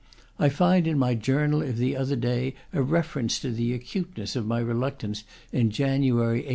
I find in my journal of the other day a reference to the acuteness of my reluctance in January, 1870.